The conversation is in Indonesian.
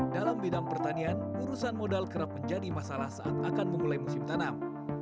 dalam bidang pertanian urusan modal kerap menjadi masalah saat akan memulai musim tanam